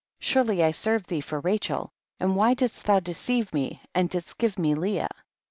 Surely I served thee for Rachel, and why didst thou deceive me and didst give me Leah